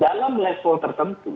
dalam level tertentu